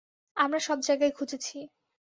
আমরা সব জায়গায় খুঁজেছি।